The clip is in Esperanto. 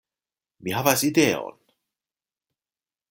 Mi havas ideon!